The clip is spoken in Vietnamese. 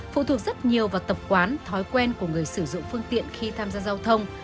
phụ thuộc rất nhiều vào tập quán thói quen của người sử dụng phương tiện khi tham gia giao thông